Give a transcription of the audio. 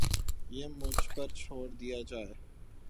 یہ مجھ پر چھوڑ دیجئے